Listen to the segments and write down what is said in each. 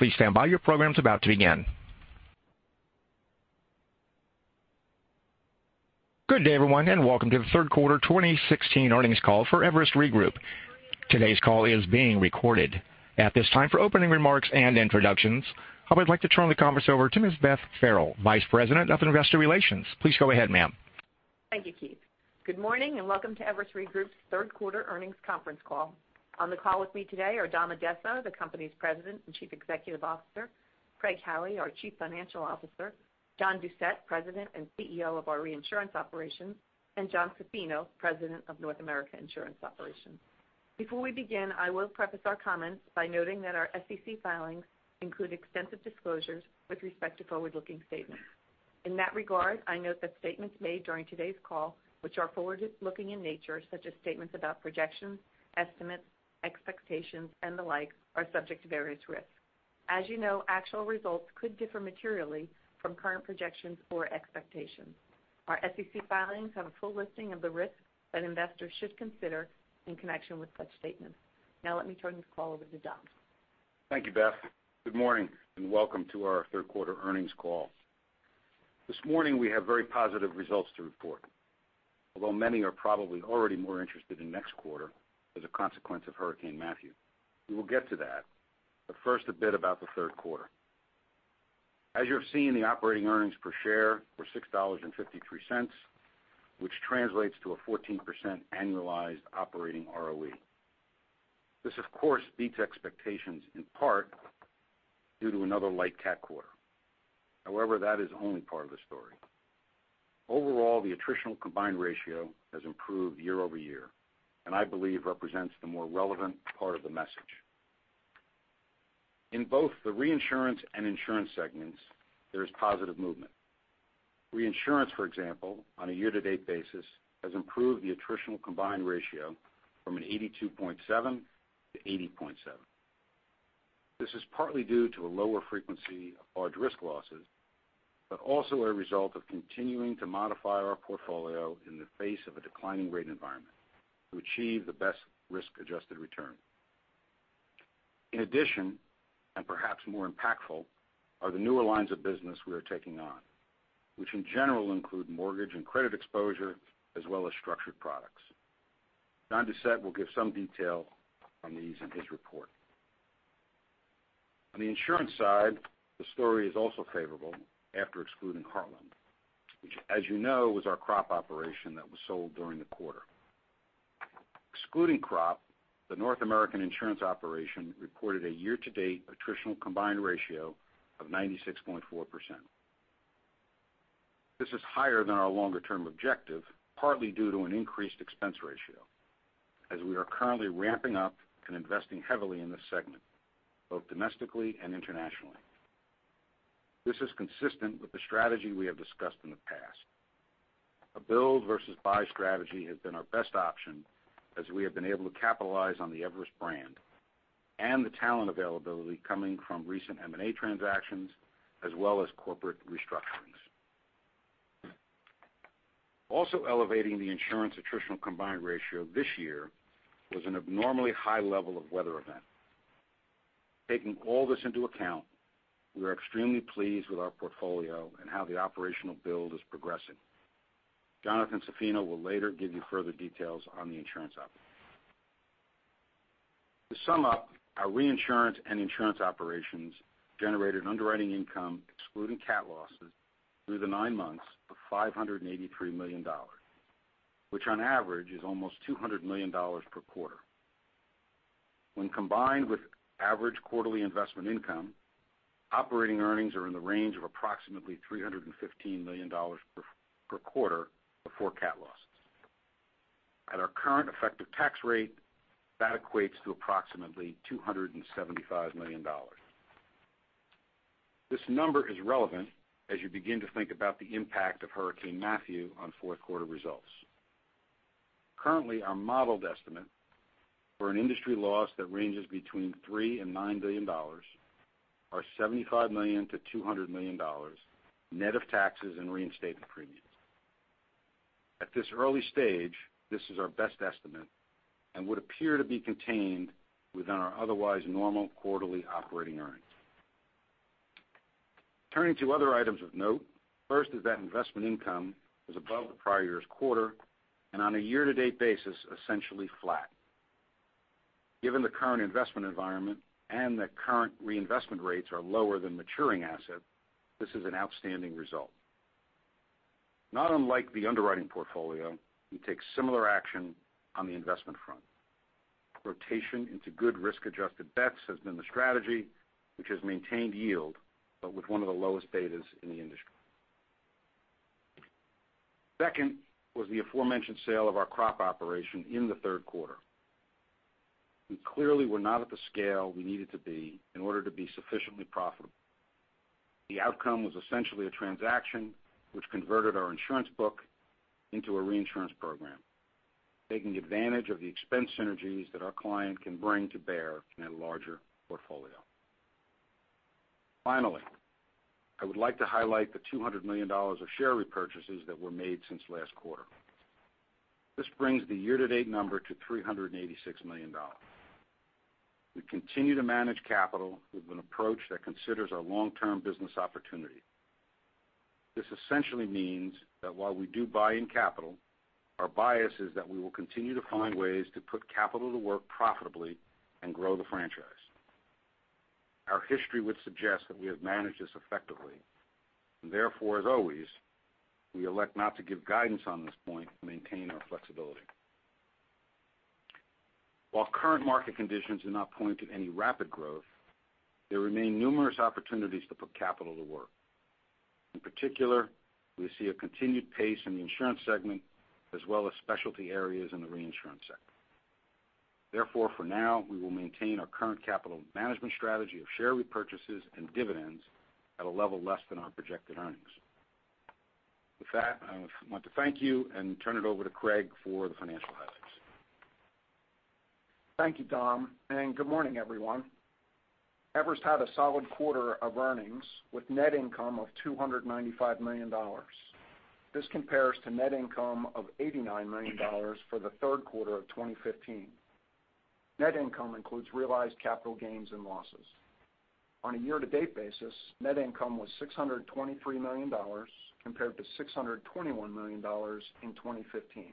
Please stand by. Your program's about to begin. Good day, everyone, and welcome to the third quarter 2016 earnings call for Everest Re Group. Today's call is being recorded. At this time, for opening remarks and introductions, I would like to turn the conference over to Ms. Beth Farrell, Vice President of Investor Relations. Please go ahead, ma'am. Thank you, Keith. Good morning, and welcome to Everest Re Group's third quarter earnings conference call. On the call with me today are Dom Addesso, the company's President and Chief Executive Officer, Craig Howie, our Chief Financial Officer, John Doucette, President and CEO of our reinsurance operations, and Jon Zaffino, President of North America Insurance Operations. Before we begin, I will preface our comments by noting that our SEC filings include extensive disclosures with respect to forward-looking statements. In that regard, I note that statements made during today's call, which are forward-looking in nature, such as statements about projections, estimates, expectations, and the like, are subject to various risks. As you know, actual results could differ materially from current projections or expectations. Our SEC filings have a full listing of the risks that investors should consider in connection with such statements. Let me turn this call over to Dom. Thank you, Beth. Good morning, and welcome to our third quarter earnings call. This morning, we have very positive results to report. Although many are probably already more interested in next quarter as a consequence of Hurricane Matthew. We will get to that, but first, a bit about the third quarter. As you have seen, the operating earnings per share were $6.53, which translates to a 14% annualized operating ROE. This, of course, beats expectations, in part due to another light cat quarter. That is only part of the story. Overall, the attritional combined ratio has improved year-over-year and I believe represents the more relevant part of the message. In both the reinsurance and insurance segments, there is positive movement. Reinsurance, for example, on a year-to-date basis, has improved the attritional combined ratio from an 82.7 to 80.7. This is partly due to a lower frequency of large risk losses, but also a result of continuing to modify our portfolio in the face of a declining rate environment to achieve the best risk-adjusted return. In addition, and perhaps more impactful, are the newer lines of business we are taking on, which in general include mortgage and credit exposure, as well as structured products. John Doucette will give some detail on these in his report. On the insurance side, the story is also favorable after excluding Heartland, which as you know, was our crop operation that was sold during the quarter. Excluding crop, the North American insurance operation reported a year-to-date attritional combined ratio of 96.4%. This is higher than our longer-term objective, partly due to an increased expense ratio, as we are currently ramping up and investing heavily in this segment, both domestically and internationally. This is consistent with the strategy we have discussed in the past. A build versus buy strategy has been our best option as we have been able to capitalize on the Everest brand and the talent availability coming from recent M&A transactions, as well as corporate restructurings. Also elevating the insurance attritional combined ratio this year was an abnormally high level of weather event. Taking all this into account, we are extremely pleased with our portfolio and how the operational build is progressing. Jonathan Zaffino will later give you further details on the insurance op. To sum up, our reinsurance and insurance operations generated underwriting income excluding cat losses through the 9 months of $583 million, which on average is almost $200 million per quarter. When combined with average quarterly investment income, operating earnings are in the range of approximately $315 million per quarter before cat losses. At our current effective tax rate, that equates to approximately $275 million. This number is relevant as you begin to think about the impact of Hurricane Matthew on fourth quarter results. Currently, our modeled estimate for an industry loss that ranges between $3 billion and $9 billion are $75 million-$200 million, net of taxes and reinstated premiums. At this early stage, this is our best estimate and would appear to be contained within our otherwise normal quarterly operating earnings. Turning to other items of note. First is that investment income was above the prior year's quarter and on a year-to-date basis, essentially flat. Given the current investment environment and that current reinvestment rates are lower than maturing asset, this is an outstanding result. Not unlike the underwriting portfolio, we take similar action on the investment front. Rotation into good risk-adjusted bets has been the strategy, which has maintained yield but with one of the lowest betas in the industry. Second was the aforementioned sale of our crop operation in the third quarter. We clearly were not at the scale we needed to be in order to be sufficiently profitable. The outcome was essentially a transaction which converted our insurance book into a reinsurance program, taking advantage of the expense synergies that our client can bring to bear in a larger portfolio. Finally, I would like to highlight the $200 million of share repurchases that were made since last quarter. This brings the year-to-date number to $386 million. We continue to manage capital with an approach that considers our long-term business opportunity. This essentially means that while we do buy in capital, our bias is that we will continue to find ways to put capital to work profitably and grow the franchise. Our history would suggest that we have managed this effectively. Therefore, as always, we elect not to give guidance on this point to maintain our flexibility. While current market conditions do not point to any rapid growth, there remain numerous opportunities to put capital to work. In particular, we see a continued pace in the insurance segment as well as specialty areas in the reinsurance sector. Therefore, for now, we will maintain our current capital management strategy of share repurchases and dividends at a level less than our projected earnings. With that, I want to thank you and turn it over to Craig for the financial highlights. Thank you, Dom, and good morning, everyone. Everest had a solid quarter of earnings with net income of $295 million. This compares to net income of $89 million for the third quarter of 2015. Net income includes realized capital gains and losses. On a year-to-date basis, net income was $623 million compared to $621 million in 2015.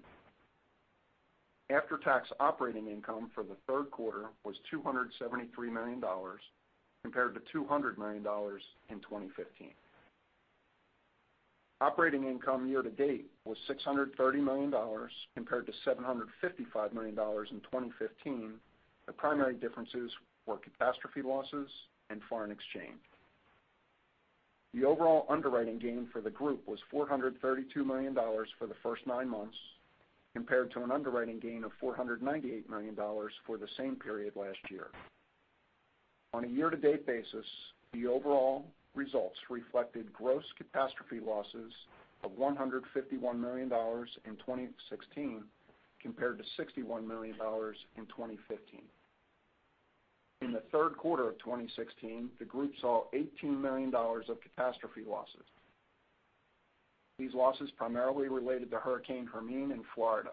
After-tax Operating Income for the third quarter was $273 million compared to $200 million in 2015. Operating Income year to date was $630 million compared to $755 million in 2015. The primary differences were catastrophe losses and foreign exchange. The overall underwriting gain for the group was $432 million for the first nine months, compared to an underwriting gain of $498 million for the same period last year. On a year-to-date basis, the overall results reflected gross catastrophe losses of $151 million in 2016 compared to $61 million in 2015. In the third quarter of 2016, the group saw $18 million of catastrophe losses. These losses primarily related to Hurricane Hermine in Florida.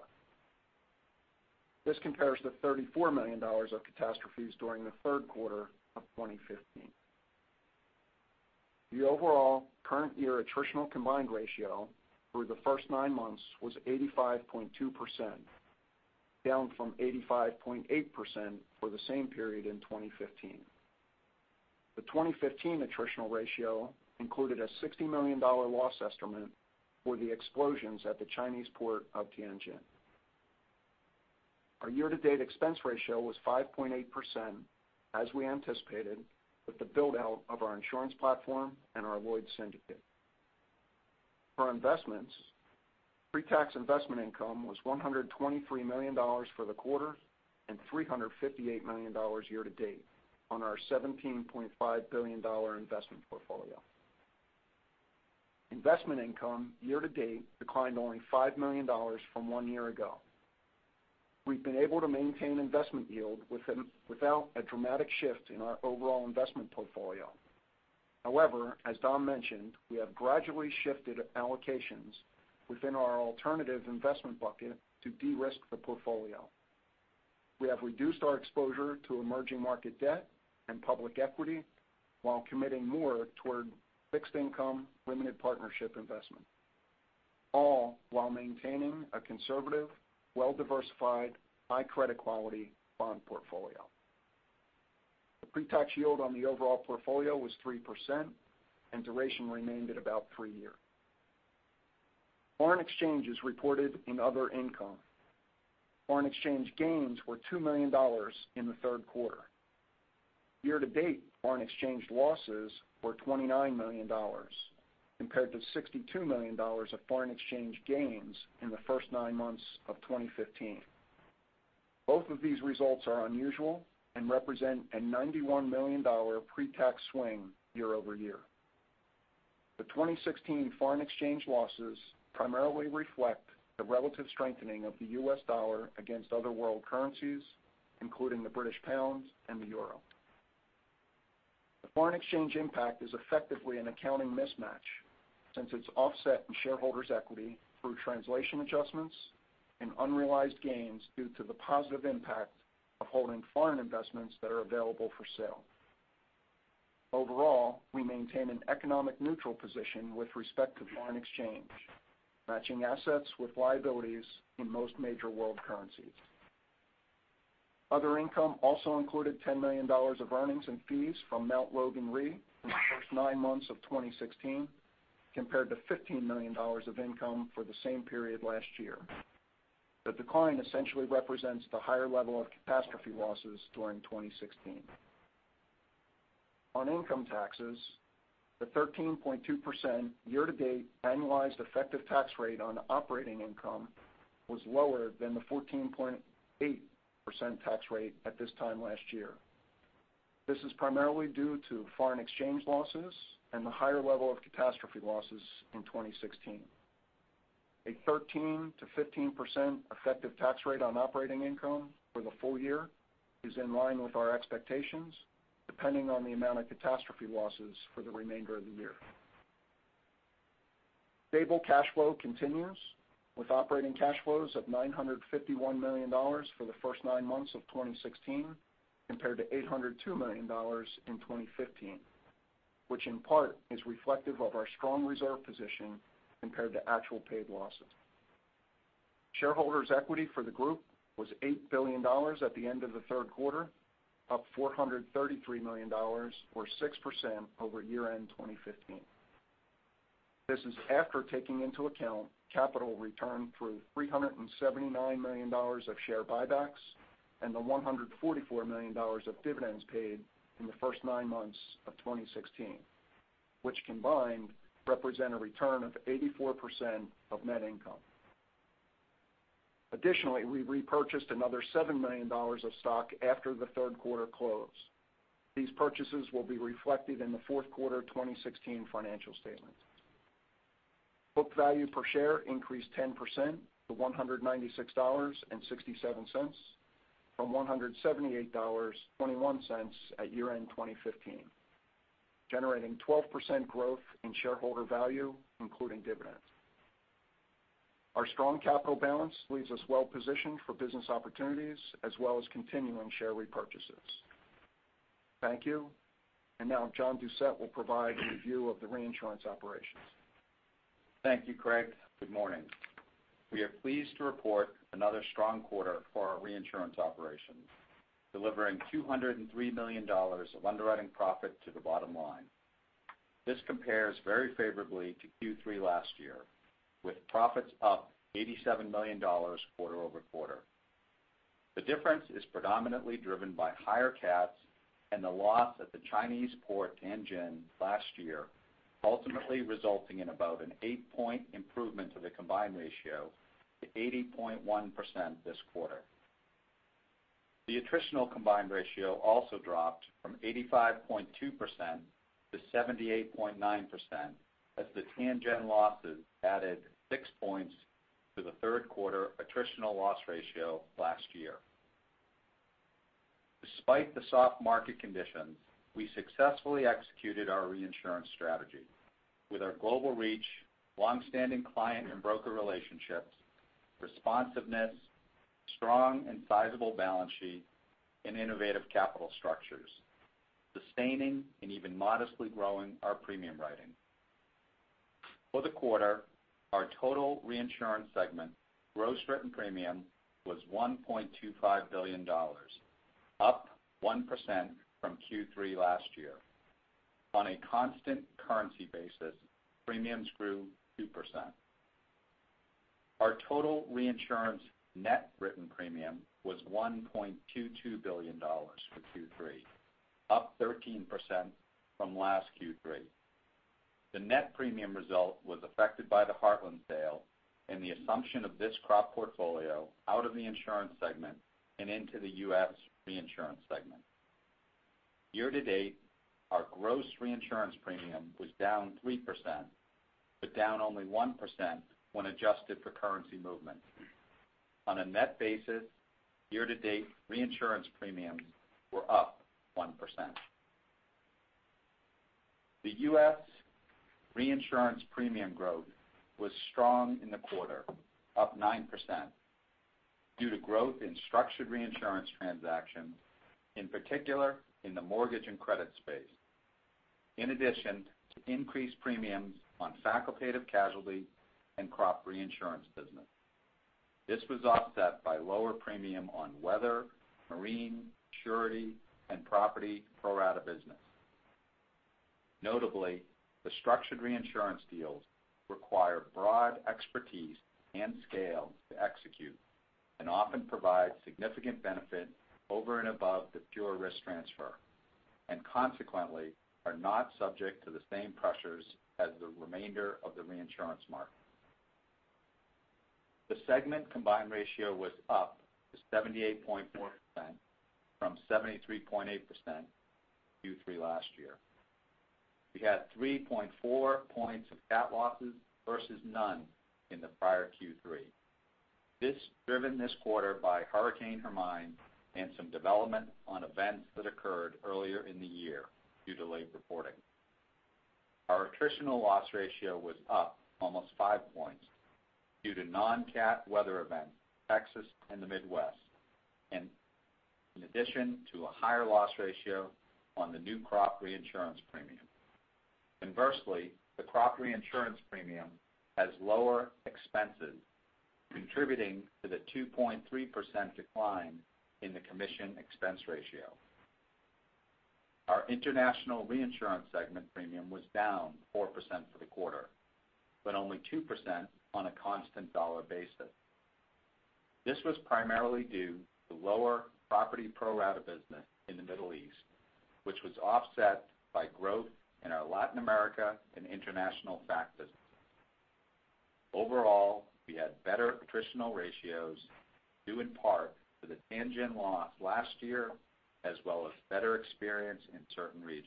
This compares to $34 million of catastrophes during the third quarter of 2015. The overall current year attritional combined ratio for the first nine months was 85.2%, down from 85.8% for the same period in 2015. The 2015 attritional ratio included a $60 million loss estimate for the explosions at the Chinese port of Tianjin. Our year-to-date expense ratio was 5.8%, as we anticipated with the build-out of our insurance platform and our Lloyd's syndicate. For investments, pre-tax investment income was $123 million for the quarter and $358 million year to date on our $17.5 billion investment portfolio. Investment Income year to date declined only $5 million from one year ago. We've been able to maintain investment yield without a dramatic shift in our overall investment portfolio. However, as Dom mentioned, we have gradually shifted allocations within our alternative investment bucket to de-risk the portfolio. We have reduced our exposure to emerging market debt and public equity while committing more toward fixed income limited partnership investment, all while maintaining a conservative, well-diversified, high credit quality bond portfolio. The pre-tax yield on the overall portfolio was 3%, and duration remained at about three years. Foreign exchange reported in other income. Foreign exchange gains were $2 million in the third quarter. Year to date, foreign exchange losses were $29 million compared to $62 million of foreign exchange gains in the first nine months of 2015. Both of these results are unusual and represent a $91 million pre-tax swing year over year. The 2016 foreign exchange losses primarily reflect the relative strengthening of the U.S. dollar against other world currencies, including the British pound and the euro. The foreign exchange impact is effectively an accounting mismatch, since it's offset in shareholders' equity through translation adjustments and unrealized gains due to the positive impact of holding foreign investments that are available for sale. Overall, we maintain an economic neutral position with respect to foreign exchange, matching assets with liabilities in most major world currencies. Other income also included $10 million of earnings and fees from Mount Logan Re in the first nine months of 2016 compared to $15 million of income for the same period last year. The decline essentially represents the higher level of catastrophe losses during 2016. On income taxes, the 13.2% year-to-date annualized effective tax rate on operating income was lower than the 14.8% tax rate at this time last year. This is primarily due to foreign exchange losses and the higher level of catastrophe losses in 2016. A 13%-15% effective tax rate on operating income for the full year is in line with our expectations, depending on the amount of catastrophe losses for the remainder of the year. Stable cash flow continues with operating cash flows of $951 million for the first nine months of 2016, compared to $802 million in 2015, which in part is reflective of our strong reserve position compared to actual paid losses. Shareholders' equity for the group was $8 billion at the end of the third quarter, up $433 million, or 6% over year-end 2015. This is after taking into account capital returned through $379 million of share buybacks and the $144 million of dividends paid in the first nine months of 2016, which combined represent a return of 84% of net income. Additionally, we repurchased another $7 million of stock after the third quarter close. These purchases will be reflected in the fourth quarter 2016 financial statement. Book value per share increased 10% to $196.67 from $178.21 at year-end 2015, generating 12% growth in shareholder value, including dividends. Our strong capital balance leaves us well positioned for business opportunities as well as continuing share repurchases. Thank you. Now John Doucette will provide a review of the reinsurance operations. Thank you, Craig. Good morning. We are pleased to report another strong quarter for our reinsurance operations, delivering $203 million of underwriting profit to the bottom line. This compares very favorably to Q3 last year, with profits up $87 million quarter-over-quarter. The difference is predominantly driven by higher cats and the loss at the Chinese port, Tianjin, last year, ultimately resulting in about an eight-point improvement to the combined ratio to 80.1% this quarter. The attritional combined ratio also dropped from 85.2% to 78.9% as the Tianjin losses added six points to the third quarter attritional loss ratio last year. Despite the soft market conditions, we successfully executed our reinsurance strategy with our global reach, long-standing client and broker relationships, responsiveness, strong and sizable balance sheet, and innovative capital structures, sustaining and even modestly growing our premium writing. For the quarter, our total reinsurance segment gross written premium was $1.25 billion, up 1% from Q3 last year. On a constant currency basis, premiums grew 2%. Our total reinsurance net written premium was $1.22 billion for Q3, up 13% from last Q3. The net premium result was affected by the Heartland sale and the assumption of this crop portfolio out of the insurance segment and into the U.S. reinsurance segment. Year-to-date, our gross reinsurance premium was down 3%, but down only 1% when adjusted for currency movement. On a net basis, year-to-date, reinsurance premiums were up 1%. The U.S. reinsurance premium growth was strong in the quarter, up 9%, due to growth in structured reinsurance transactions, in particular in the mortgage and credit space, in addition to increased premiums on facultative casualty and crop reinsurance business. This was offset by lower premium on weather, marine, surety, and property pro-rata business. Notably, the structured reinsurance deals require broad expertise and scale to execute and often provide significant benefit over and above the pure risk transfer, consequently, are not subject to the same pressures as the remainder of the reinsurance market. The segment combined ratio was up to 78.4% from 73.8% Q3 last year. We had 3.4 points of cat losses versus none in the prior Q3. This driven this quarter by Hurricane Hermine and some development on events that occurred earlier in the year due to late reporting. Our attritional loss ratio was up almost five points due to non-cat weather events, Texas and the Midwest, in addition to a higher loss ratio on the new crop reinsurance premium. Inversely, the crop reinsurance premium has lower expenses, contributing to the 2.3% decline in the commission expense ratio. Our international reinsurance segment premium was down 4% for the quarter, only 2% on a constant dollar basis. This was primarily due to lower property pro-rata business in the Middle East, which was offset by growth in our Latin America and international FAC business. Overall, we had better attritional ratios due in part to the Tianjin loss last year, as well as better experience in certain regions.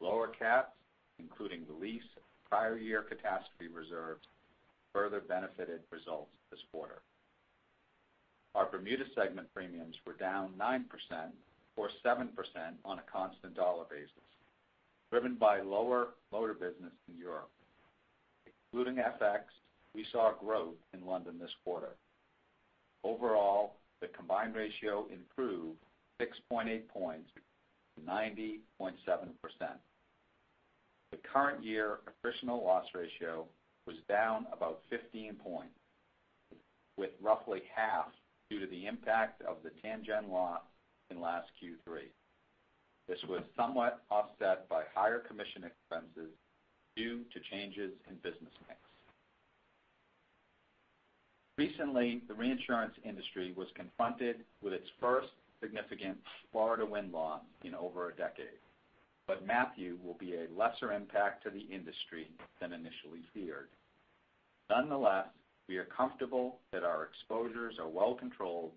Lower cats, including the release of prior year catastrophe reserves, further benefited results this quarter. Our Bermuda segment premiums were down 9%, or 7% on a constant dollar basis, driven by lower motor business in Europe. Including FX, we saw growth in London this quarter. Overall, the combined ratio improved 6.8 points to 90.7%. The current year professional loss ratio was down about 15 points, with roughly half due to the impact of the Tianjin loss in last Q3. This was somewhat offset by higher commission expenses due to changes in business mix. Recently, the reinsurance industry was confronted with its first significant Florida wind loss in over a decade. Matthew will be a lesser impact to the industry than initially feared. Nonetheless, we are comfortable that our exposures are well controlled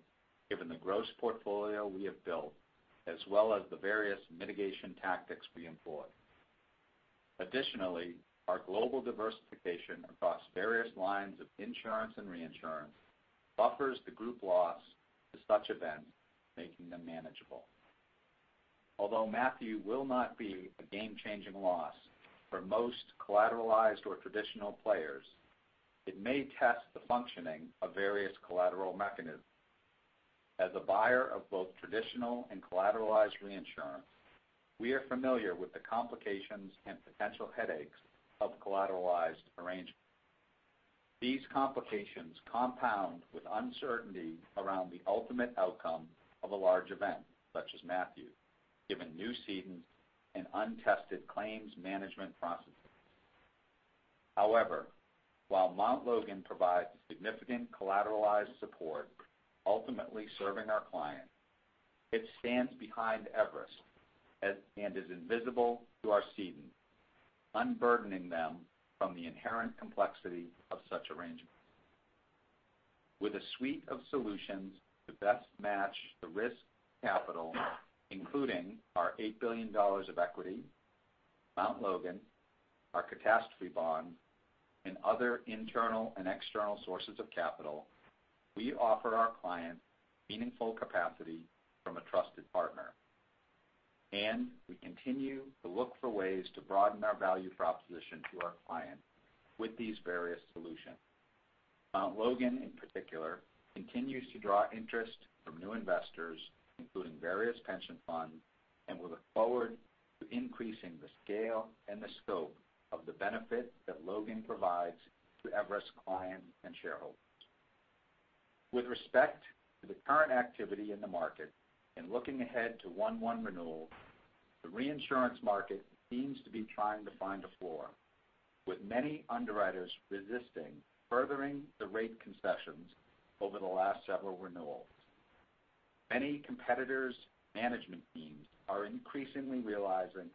given the gross portfolio we have built, as well as the various mitigation tactics we employ. Additionally, our global diversification across various lines of insurance and reinsurance buffers the group loss to such events, making them manageable. Matthew will not be a game-changing loss for most collateralized or traditional players, it may test the functioning of various collateral mechanisms. As a buyer of both traditional and collateralized reinsurance, we are familiar with the complications and potential headaches of collateralized arrangements. These complications compound with uncertainty around the ultimate outcome of a large event such as Matthew, given new cedents and untested claims management processes. While Mt. Logan provides significant collateralized support, ultimately serving our client, it stands behind Everest and is invisible to our cedent, unburdening them from the inherent complexity of such arrangements. With a suite of solutions to best match the risk capital, including our $8 billion of equity, Mt. Logan, our catastrophe bond, and other internal and external sources of capital, we offer our clients meaningful capacity from a trusted partner. We continue to look for ways to broaden our value proposition to our clients with these various solutions. Logan, in particular, continues to draw interest from new investors, including various pension funds, and we look forward to increasing the scale and the scope of the benefit that Logan provides to Everest clients and shareholders. With respect to the current activity in the market and looking ahead to one-one renewal, the reinsurance market seems to be trying to find a floor, with many underwriters resisting furthering the rate concessions over the last several renewals. Many competitors' management teams are increasingly realizing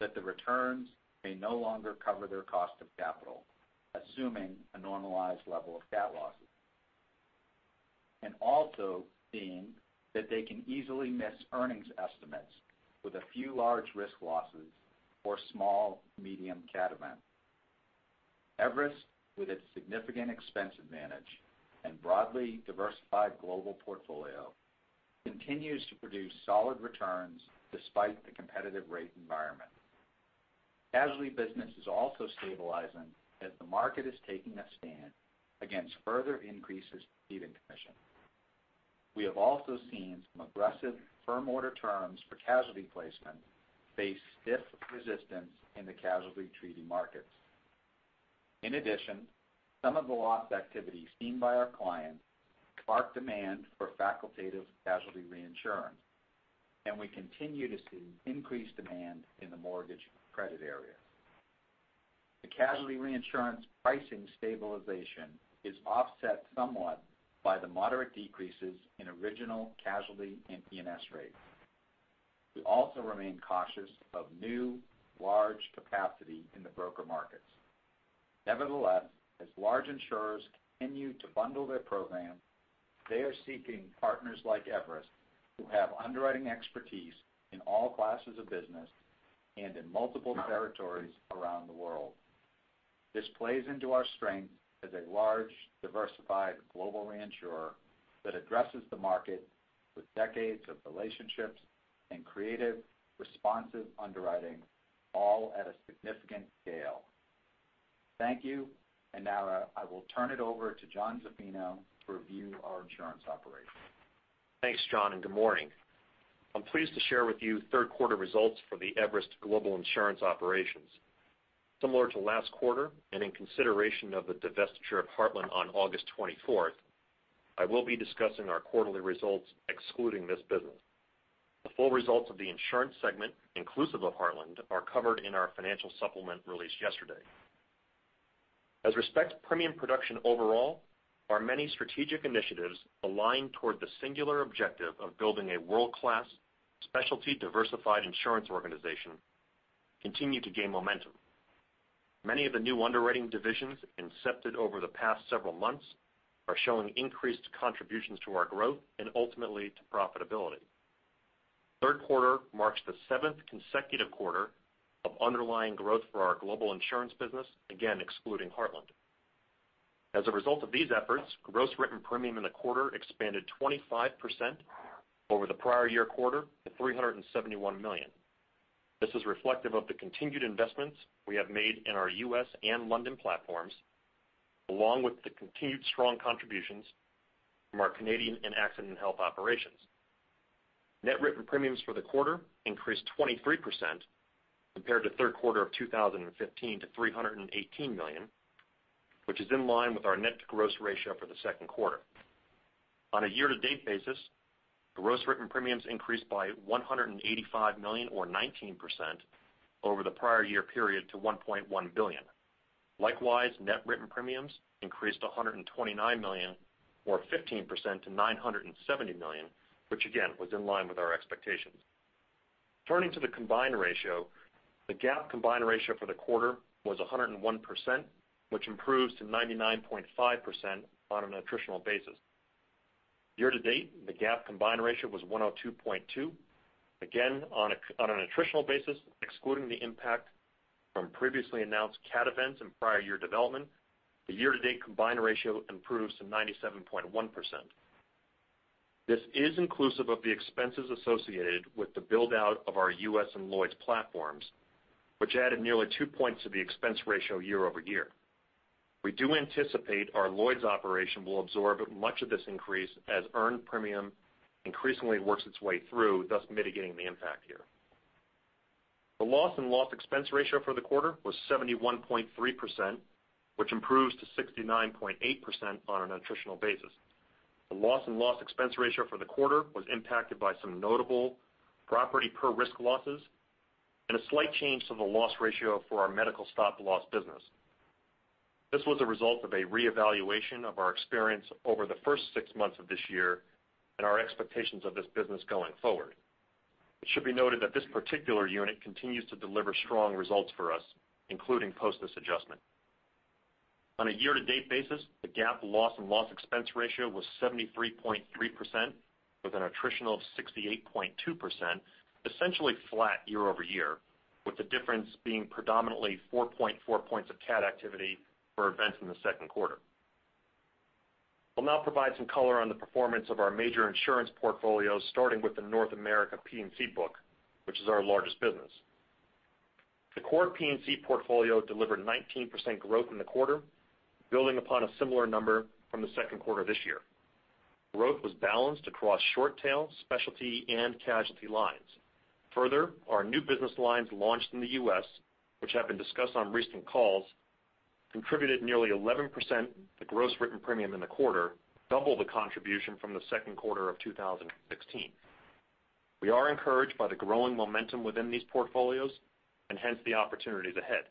that the returns may no longer cover their cost of capital, assuming a normalized level of cat losses. Also seeing that they can easily miss earnings estimates with a few large risk losses or small, medium cat events. Everest, with its significant expense advantage and broadly diversified global portfolio, continues to produce solid returns despite the competitive rate environment. Casualty business is also stabilizing as the market is taking a stand against further increases to ceding commission. We have also seen some aggressive firm order terms for casualty placement face stiff resistance in the casualty treaty markets. In addition, some of the loss activity seen by our clients spark demand for facultative casualty reinsurance, and we continue to see increased demand in the mortgage credit area. The casualty reinsurance pricing stabilization is offset somewhat by the moderate decreases in original casualty and P&C rates. We also remain cautious of new, large capacity in the broker markets. Nevertheless, as large insurers continue to bundle their program, they are seeking partners like Everest who have underwriting expertise in all classes of business and in multiple territories around the world. This plays into our strength as a large, diversified global reinsurer that addresses the market with decades of relationships and creative, responsive underwriting, all at a significant scale. Thank you. Now I will turn it over to Jonathan Zaffino to review our insurance operations. Thanks, John, and good morning. I am pleased to share with you third quarter results for the Everest global insurance operations. Similar to last quarter, and in consideration of the divestiture of Heartland on August 24th, I will be discussing our quarterly results excluding this business. The full results of the insurance segment, inclusive of Heartland, are covered in our financial supplement released yesterday. As respects premium production overall, our many strategic initiatives aligned toward the singular objective of building a world-class, specialty diversified insurance organization continue to gain momentum. Many of the new underwriting divisions incepted over the past several months are showing increased contributions to our growth and ultimately to profitability. Third quarter marks the seventh consecutive quarter of underlying growth for our global insurance business, again, excluding Heartland. As a result of these efforts, gross written premium in the quarter expanded 25% over the prior year quarter to $371 million. This is reflective of the continued investments we have made in our U.S. and London platforms, along with the continued strong contributions from our Canadian and accident and health operations. Net written premiums for the quarter increased 23% compared to third quarter of 2015 to $318 million, which is in line with our net-to-gross ratio for the second quarter. On a year-to-date basis, gross written premiums increased by $185 million or 19% over the prior year period to $1.1 billion. Likewise, net written premiums increased $129 million or 15% to $970 million, which again, was in line with our expectations. Turning to the combined ratio, the GAAP combined ratio for the quarter was 101%, which improves to 99.5% on an attritional basis. Year-to-date, the GAAP combined ratio was 102.2%. Again, on an attritional basis, excluding the impact from previously announced cat events and prior year development, the year-to-date combined ratio improves to 97.1%. This is inclusive of the expenses associated with the build-out of our U.S. and Lloyd's platforms, which added nearly two points to the expense ratio year-over-year. We do anticipate our Lloyd's operation will absorb much of this increase as earned premium increasingly works its way through, thus mitigating the impact here. The loss and loss expense ratio for the quarter was 71.3%, which improves to 69.8% on an attritional basis. The loss and loss expense ratio for the quarter was impacted by some notable property per-risk losses and a slight change to the loss ratio for our medical stop loss business. This was a result of a reevaluation of our experience over the first six months of this year and our expectations of this business going forward. It should be noted that this particular unit continues to deliver strong results for us, including post this adjustment. On a year-to-date basis, the GAAP loss and loss expense ratio was 73.3% with an attritional of 68.2%, essentially flat year-over-year, with the difference being predominantly 4.4 points of cat activity for events in the second quarter. I'll now provide some color on the performance of our major insurance portfolio, starting with the North America P&C book, which is our largest business. The core P&C portfolio delivered 19% growth in the quarter, building upon a similar number from the second quarter this year. Growth was balanced across short tail, specialty, and casualty lines. Further, our new business lines launched in the U.S., which have been discussed on recent calls, contributed nearly 11% of the gross written premium in the quarter, double the contribution from the second quarter of 2016. We are encouraged by the growing momentum within these portfolios, and hence the opportunities ahead.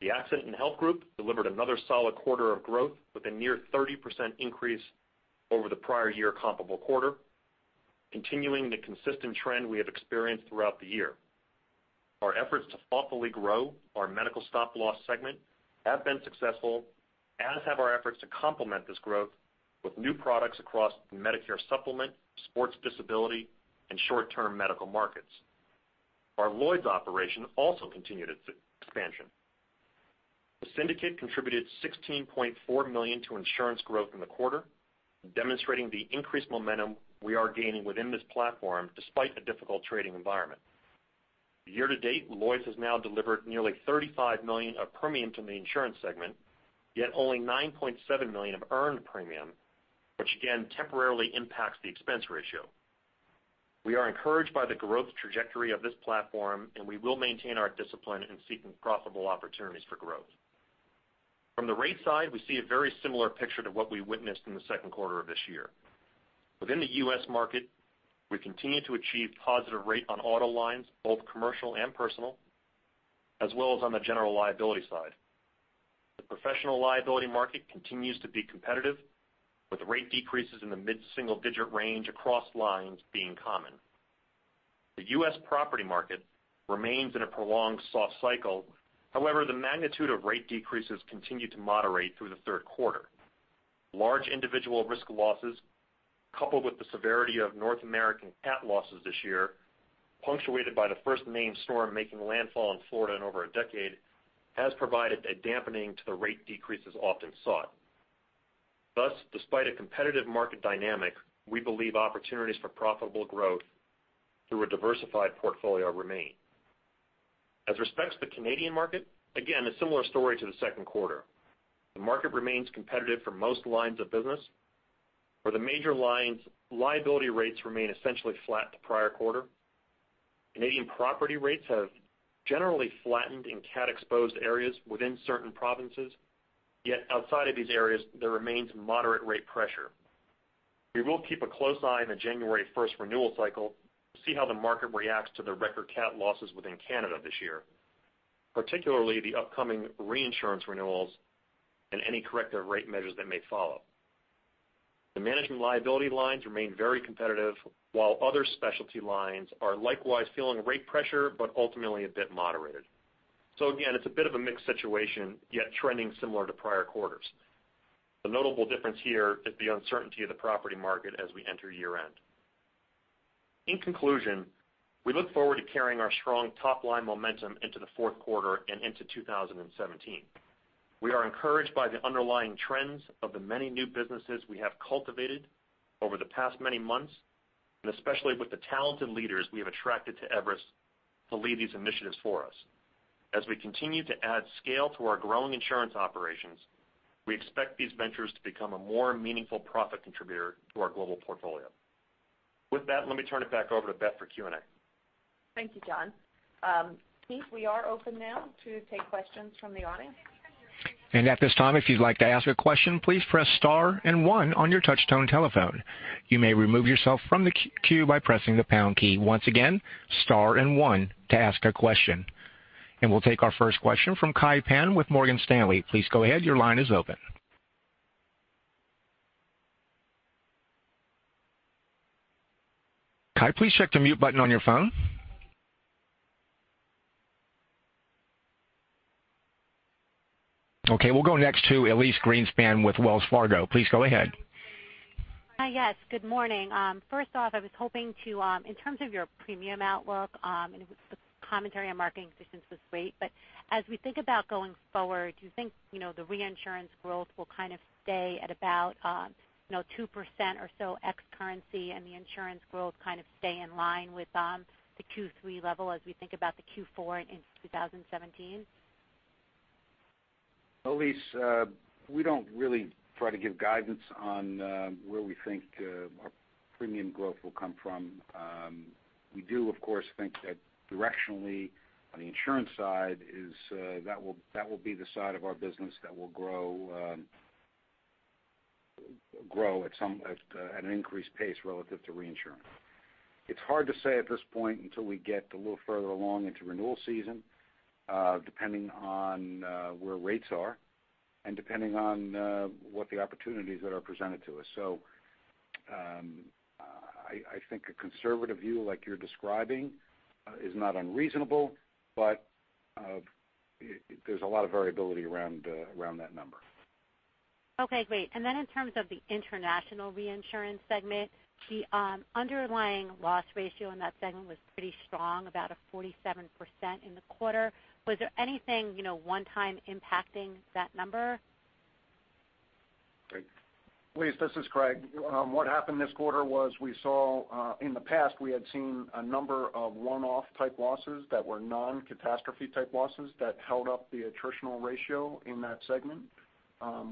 The accident and health group delivered another solid quarter of growth with a near 30% increase over the prior year comparable quarter, continuing the consistent trend we have experienced throughout the year. Our efforts to thoughtfully grow our medical stop loss segment have been successful, as have our efforts to complement this growth with new products across the Medicare supplement, sports disability, and short-term medical markets. Our Lloyd's operation also continued its expansion. The syndicate contributed $16.4 million to insurance growth in the quarter, demonstrating the increased momentum we are gaining within this platform despite a difficult trading environment. Year to date, Lloyd's has now delivered nearly $35 million of premium to the insurance segment, yet only $9.7 million of earned premium, which again temporarily impacts the expense ratio. We are encouraged by the growth trajectory of this platform, and we will maintain our discipline in seeking profitable opportunities for growth. From the rate side, we see a very similar picture to what we witnessed in the second quarter of this year. Within the U.S. market, we continue to achieve positive rate on auto lines, both commercial and personal, as well as on the general liability side. The professional liability market continues to be competitive, with rate decreases in the mid-single-digit range across lines being common. The U.S. property market remains in a prolonged soft cycle. However, the magnitude of rate decreases continued to moderate through the third quarter. Large individual risk losses, coupled with the severity of North American cat losses this year, punctuated by the first named storm making landfall in Florida in over a decade, has provided a dampening to the rate decreases often sought. Despite a competitive market dynamic, we believe opportunities for profitable growth through a diversified portfolio remain. As respects the Canadian market, again, a similar story to the second quarter. The market remains competitive for most lines of business. For the major lines, liability rates remain essentially flat to prior quarter. Canadian property rates have generally flattened in cat-exposed areas within certain provinces, yet outside of these areas, there remains moderate rate pressure. We will keep a close eye on the January 1st renewal cycle to see how the market reacts to the record cat losses within Canada this year, particularly the upcoming reinsurance renewals and any corrective rate measures that may follow. The management liability lines remain very competitive, while other specialty lines are likewise feeling rate pressure, but ultimately a bit moderated. Again, it's a bit of a mixed situation, yet trending similar to prior quarters. The notable difference here is the uncertainty of the property market as we enter year-end. In conclusion, we look forward to carrying our strong top-line momentum into the fourth quarter and into 2017. We are encouraged by the underlying trends of the many new businesses we have cultivated over the past many months, and especially with the talented leaders we have attracted to Everest to lead these initiatives for us. As we continue to add scale to our growing insurance operations, we expect these ventures to become a more meaningful profit contributor to our global portfolio. With that, let me turn it back over to Beth for Q&A. Thank you, John. Keith, we are open now to take questions from the audience. At this time, if you'd like to ask a question, please press star and one on your touch-tone telephone. You may remove yourself from the queue by pressing the pound key. Once again, star and one to ask a question. We'll take our first question from Kai Pan with Morgan Stanley. Please go ahead. Your line is open. Kai, please check the mute button on your phone. We'll go next to Elyse Greenspan with Wells Fargo. Please go ahead. Yes, good morning. First off, I was hoping to, in terms of your premium outlook, and the commentary on market conditions was great, but as we think about going forward, do you think the reinsurance growth will kind of stay at about 2% or so ex-currency, and the insurance growth kind of stay in line with the Q3 level as we think about the Q4 and into 2017? Elyse, we don't really try to give guidance on where we think our premium growth will come from. We do, of course, think that directionally on the insurance side, that will be the side of our business that will grow at an increased pace relative to reinsurance. It's hard to say at this point until we get a little further along into renewal season, depending on where rates are and depending on what the opportunities that are presented to us. I think a conservative view like you're describing is not unreasonable, but there's a lot of variability around that number. Okay, great. In terms of the international reinsurance segment, the underlying loss ratio in that segment was pretty strong, about a 47% in the quarter. Was there anything one-time impacting that number? Elyse, this is Craig. What happened this quarter was in the past, we had seen a number of one-off type losses that were non-catastrophe type losses that held up the attritional ratio in that segment.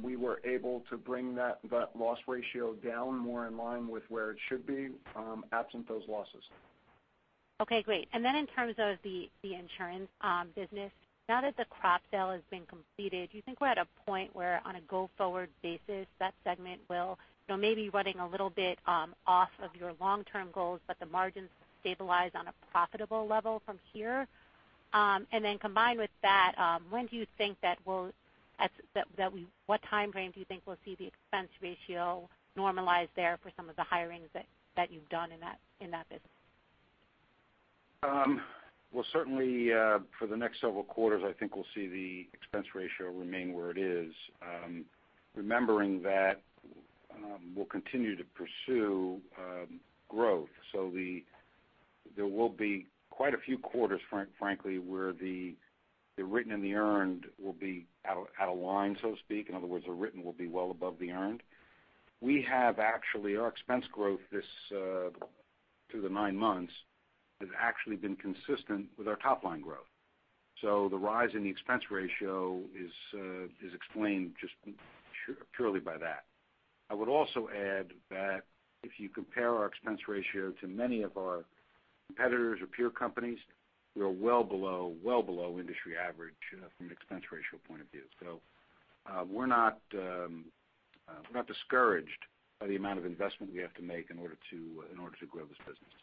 We were able to bring that loss ratio down more in line with where it should be absent those losses. Okay, great. In terms of the insurance business, now that the crop sale has been completed, do you think we're at a point where on a go-forward basis, that segment will maybe running a little bit off of your long-term goals, but the margins stabilize on a profitable level from here? Combined with that, what time frame do you think we'll see the expense ratio normalize there for some of the hirings that you've done in that business? Well, certainly for the next several quarters, I think we'll see the expense ratio remain where it is. Remembering that we'll continue to pursue growth. There will be quite a few quarters, frankly, where the written and the earned will be out of line, so to speak. In other words, the written will be well above the earned. We have actually, our expense growth through the nine months has actually been consistent with our top-line growth. The rise in the expense ratio is explained just purely by that. I would also add that if you compare our expense ratio to many of our competitors or peer companies, we are well below industry average from an expense ratio point of view. We're not discouraged by the amount of investment we have to make in order to grow this business.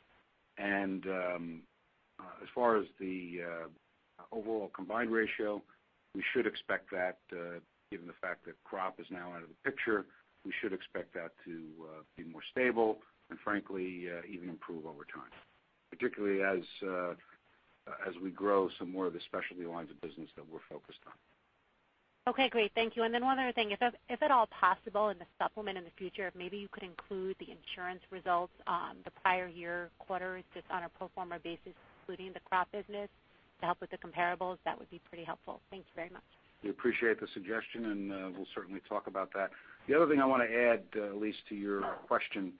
As far as the overall combined ratio, we should expect that given the fact that crop is now out of the picture, we should expect that to be more stable and frankly even improve over time, particularly as we grow some more of the specialty lines of business that we're focused on. Okay, great. Thank you. One other thing. Is it all possible in the supplement in the future if maybe you could include the insurance results on the prior year quarters just on a pro forma basis including the crop business to help with the comparables? That would be pretty helpful. Thank you very much. We appreciate the suggestion, and we'll certainly talk about that. The other thing I want to add, Elyse, to your question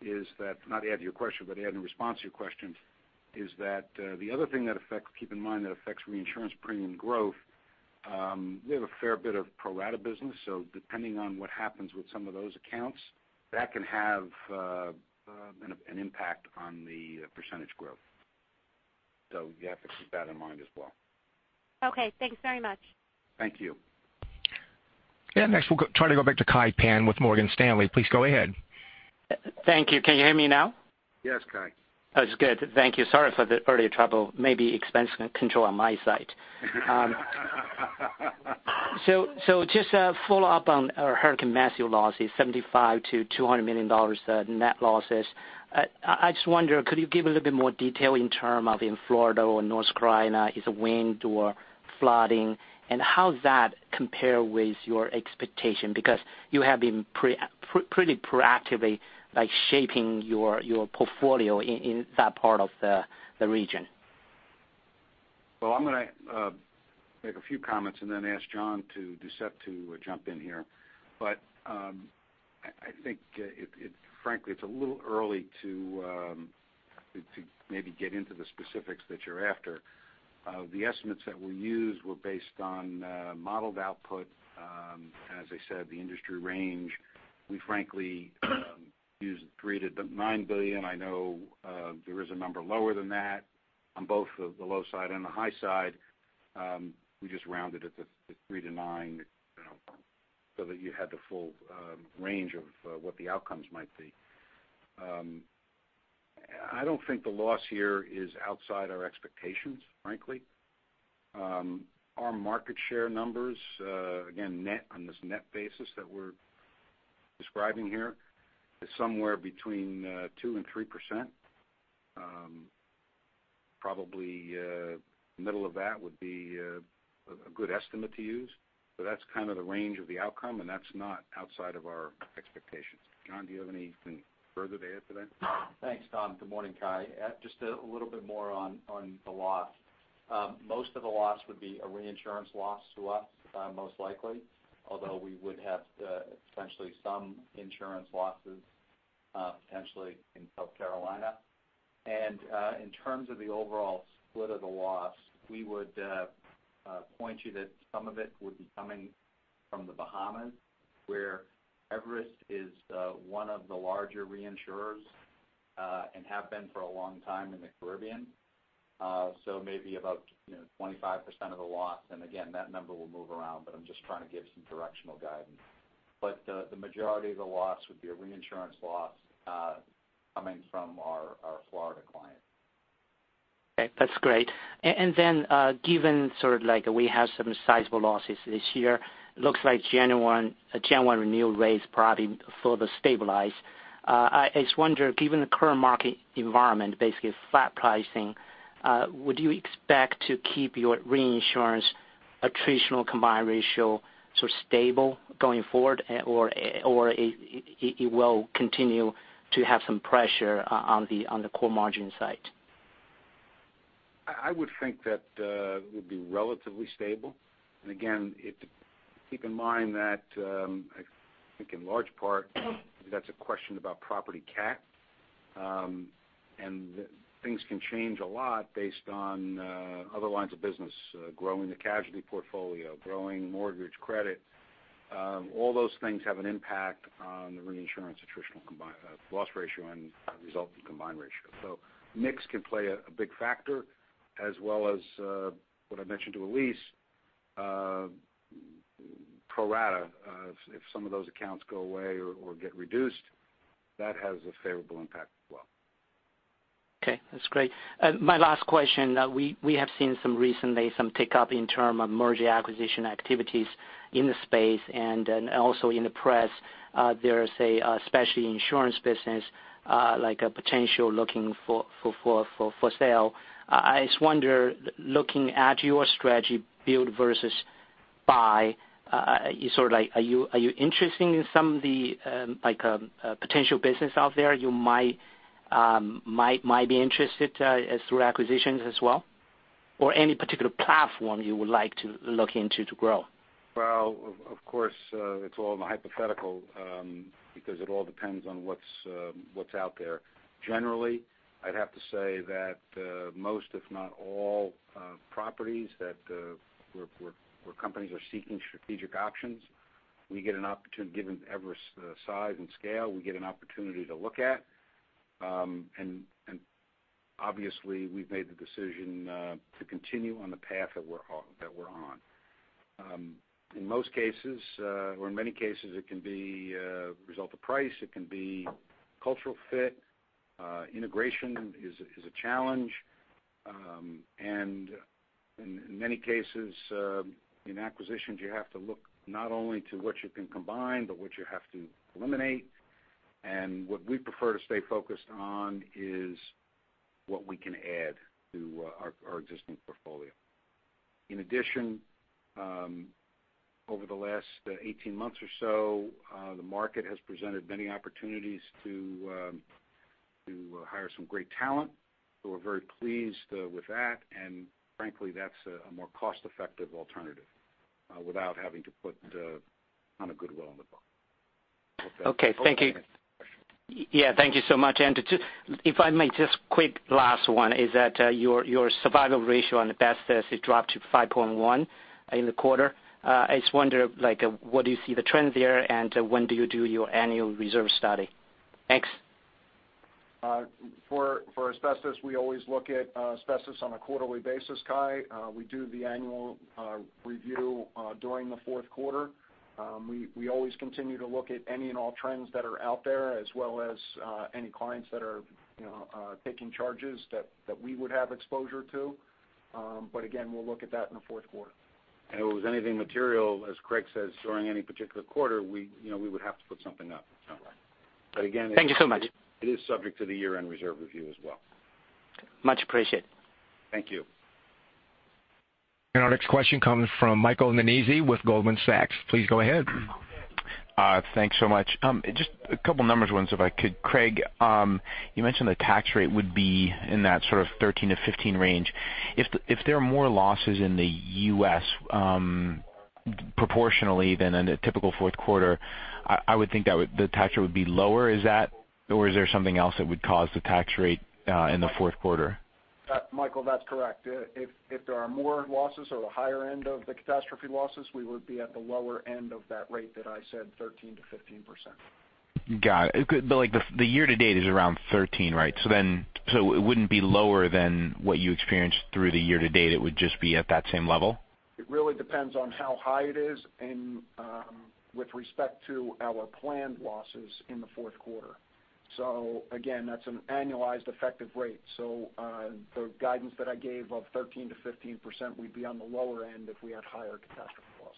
is that, not add to your question, but add in response to your question, is that the other thing, keep in mind, that affects reinsurance premium growth, we have a fair bit of pro rata business. Depending on what happens with some of those accounts, that can have an impact on the percentage growth. You have to keep that in mind as well. Okay, thanks very much. Thank you. Yeah, next we'll try to go back to Kai Pan with Morgan Stanley. Please go ahead. Thank you. Can you hear me now? Yes, Kai. That's good. Thank you. Sorry for the earlier trouble. Maybe expense control on my side. Just a follow-up on our Hurricane Matthew losses, $75 million-$200 million net losses. I just wonder, could you give a little bit more detail in terms of in Florida or North Carolina? Is it wind or flooding? How does that compare with your expectation? Because you have been pretty proactively shaping your portfolio in that part of the region. Well, I'm going to make a few comments and then ask John Doucette to jump in here. I think, frankly, it's a little early to maybe get into the specifics that you're after. The estimates that we used were based on modeled output. As I said, the industry range, we frankly used $3 billion-$9 billion. I know there is a number lower than that on both the low side and the high side. We just rounded it to $3 billion-$9 billion so that you had the full range of what the outcomes might be. I don't think the loss here is outside our expectations, frankly. Our market share numbers, again, net on this net basis that we're describing here, is somewhere between 2%-3%. Probably middle of that would be a good estimate to use. That's kind of the range of the outcome, that's not outside of our expectations. John, do you have anything further to add to that? Thanks, Dom. Good morning, Kai. Just a little bit more on the loss. Most of the loss would be a reinsurance loss to us, most likely, although we would have potentially some insurance losses potentially in South Carolina. In terms of the overall split of the loss, we would point you that some of it would be coming from the Bahamas, where Everest is one of the larger reinsurers, and have been for a long time in the Caribbean. Maybe about 25% of the loss. Again, that number will move around, but I'm just trying to give some directional guidance. The majority of the loss would be a reinsurance loss coming from our Florida client. Okay, that's great. Given we have some sizable losses this year, looks like January renewal rates probably further stabilize. I just wonder, given the current market environment, basically flat pricing, would you expect to keep your reinsurance attritional combined ratio stable going forward, or it will continue to have some pressure on the core margin side? I would think that it would be relatively stable. Again, keep in mind that I think in large part, that's a question about property cat. Things can change a lot based on other lines of business, growing the casualty portfolio, growing mortgage credit. All those things have an impact on the reinsurance attritional loss ratio and resulting combined ratio. Mix can play a big factor as well as what I mentioned to Elyse, pro rata. If some of those accounts go away or get reduced, that has a favorable impact as well. Okay, that's great. My last question, we have seen some recently some tick up in terms of merger acquisition activities in the space also in the press there's a specialty insurance business like a potential looking for sale. I just wonder, looking at your strategy build versus buy, are you interested in some of the potential business out there you might be interested through acquisitions as well? Any particular platform you would like to look into to grow? Well, of course, it's all in the hypothetical because it all depends on what's out there. Generally, I'd have to say that most, if not all properties that where companies are seeking strategic options, given Everest's size and scale, we get an opportunity to look at. Obviously we've made the decision to continue on the path that we're on. In most cases, or in many cases, it can be a result of price, it can be cultural fit. Integration is a challenge. In many cases, in acquisitions, you have to look not only to what you can combine, but what you have to eliminate. What we prefer to stay focused on is what we can add to our existing portfolio. In addition, over the last 18 months or so, the market has presented many opportunities to hire some great talent, so we're very pleased with that. Frankly, that's a more cost-effective alternative without having to put a ton of goodwill on the book. Okay. Thank you. Hope that answers the question. Yeah, thank you so much. If I may, just quick last one is that your survival ratio on asbestos has dropped to 5.1 in the quarter. I just wonder what do you see the trends there, and when do you do your annual reserve study? Thanks. For asbestos, we always look at asbestos on a quarterly basis, Kai. We do the annual review during the fourth quarter. We always continue to look at any and all trends that are out there as well as any clients that are taking charges that we would have exposure to. Again, we'll look at that in the fourth quarter. If it was anything material, as Craig says, during any particular quarter, we would have to put something up. Right. Again- Thank you so much it is subject to the year-end reserve review as well. Much appreciated. Thank you. Our next question comes from Michael Nannizzi with Goldman Sachs. Please go ahead. Thanks so much. Just a couple numbers ones if I could. Craig, you mentioned the tax rate would be in that sort of 13-15 range. If there are more losses in the U.S. proportionally than in a typical fourth quarter, I would think the tax rate would be lower. Is there something else that would cause the tax rate in the fourth quarter? Michael, that's correct. If there are more losses or the higher end of the catastrophe losses, we would be at the lower end of that rate that I said, 13%-15%. Got it. The year to date is around 13, right? It wouldn't be lower than what you experienced through the year to date, it would just be at that same level? It really depends on how high it is and with respect to our planned losses in the fourth quarter. Again, that's an annualized effective rate. The guidance that I gave of 13%-15%, we'd be on the lower end if we had higher catastrophe loss.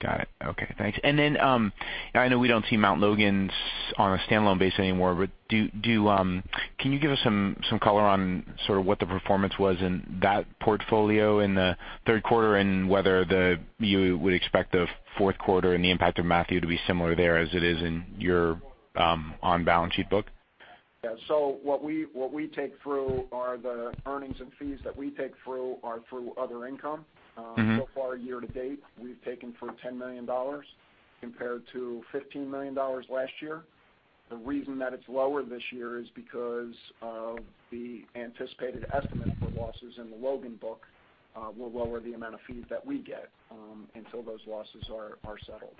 Got it. Okay, thanks. I know we don't see Mount Logan's on a standalone basis anymore, but can you give us some color on sort of what the performance was in that portfolio in the third quarter and whether you would expect the fourth quarter and the impact of Matthew to be similar there as it is in your on-balance sheet book? Yeah. What we take through are the earnings and fees that we take through are through other income. So far, year to date, we've taken through $10 million compared to $15 million last year. The reason that it's lower this year is because of the anticipated estimate for losses in the Logan book will lower the amount of fees that we get until those losses are settled.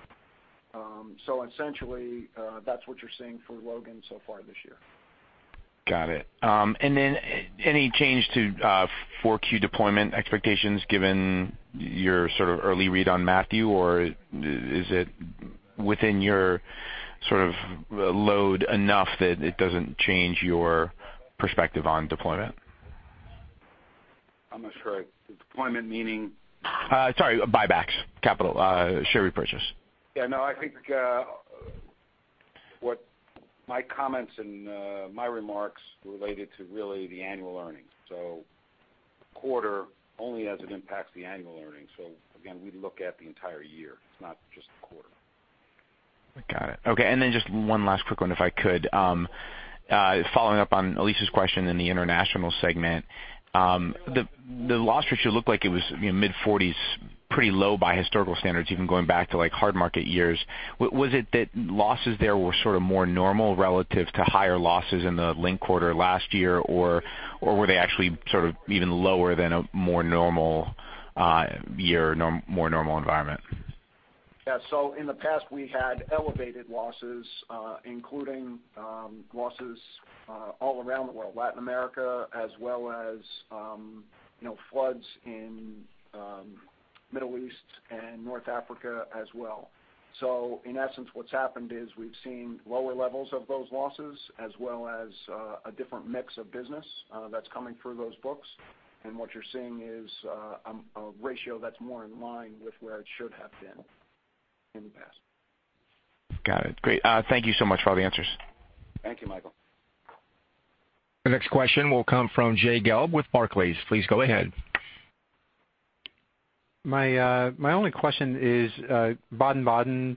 Essentially, that's what you're seeing for Logan so far this year. Got it. Any change to 4Q deployment expectations given your sort of early read on Matthew, or is it within your sort of load enough that it doesn't change your perspective on deployment? I'm not sure deployment meaning? Sorry, buybacks, capital, share repurchase. I think what my comments and my remarks related to really the annual earnings. The quarter only as it impacts the annual earnings. Again, we look at the entire year, it's not just the quarter. Got it. Just one last quick one, if I could. Following up on Elyse's question in the international segment, the loss ratio looked like it was mid-forties, pretty low by historical standards, even going back to hard market years. Was it that losses there were sort of more normal relative to higher losses in the linked quarter last year, or were they actually sort of even lower than a more normal year, more normal environment? In the past, we had elevated losses, including losses all around the world, Latin America, as well as floods in Middle East and North Africa as well. In essence, what's happened is we've seen lower levels of those losses as well as a different mix of business that's coming through those books. What you're seeing is a ratio that's more in line with where it should have been in the past. Got it. Great. Thank you so much for all the answers. Thank you, Michael. The next question will come from Jay Gelb with Barclays. Please go ahead. My only question is Baden-Baden,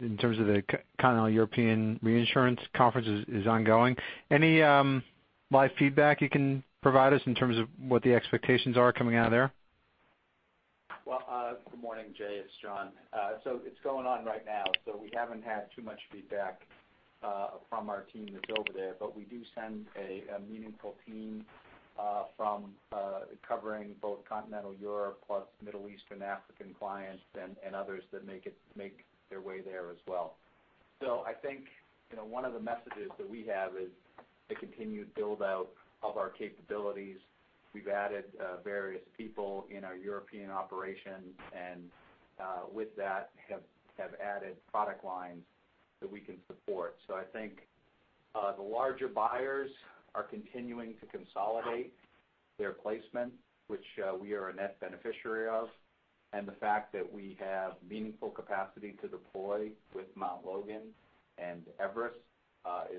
in terms of the kind of European reinsurance conference is ongoing. Any live feedback you can provide us in terms of what the expectations are coming out of there? Well, good morning, Jay. It's John. It's going on right now, so we haven't had too much feedback from our team that's over there. We do send a meaningful team from covering both continental Europe plus Middle Eastern and African clients and others that make their way there as well. I think one of the messages that we have is the continued build-out of our capabilities. We've added various people in our European operations and, with that, have added product lines that we can support. I think the larger buyers are continuing to consolidate their placement, which we are a net beneficiary of. The fact that we have meaningful capacity to deploy with Mount Logan and Everest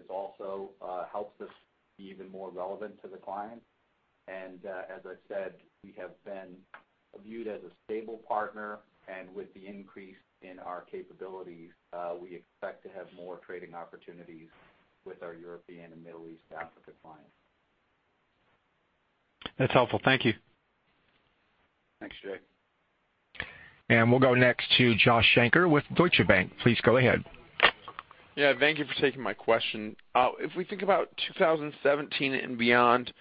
also helps us be even more relevant to the client. As I said, we have been viewed as a stable partner and with the increase in our capabilities, we expect to have more trading opportunities with our European and Middle East, Africa clients. That's helpful. Thank you. Thanks, Jay. We'll go next to Joshua Shanker with Deutsche Bank. Please go ahead. Yeah, thank you for taking my question. If we think about 2017 and beyond,